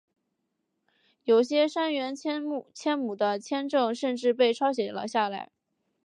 有些杉原千亩的签证甚至被抄写了下来。